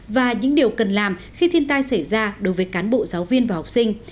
và những điều cần làm khi thiên tai xảy ra đối với cán bộ giáo viên và học sinh